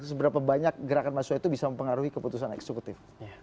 seberapa banyak gerakan mahasiswa itu bisa mempengaruhi keputusan eksekutif